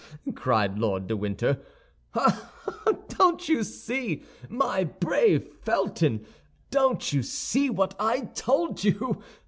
cried Lord de Winter; "ha, ha! Don't you see, my brave Felton; don't you see what I told you?